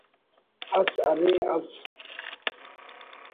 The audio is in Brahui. اس ارے اف